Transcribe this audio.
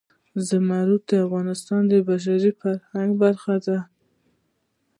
زمرد د افغانستان د بشري فرهنګ برخه ده.